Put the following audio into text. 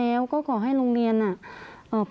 แล้วก็ย้ำว่าจะเดินหน้าเรียกร้องความยุติธรรมให้ถึงที่สุด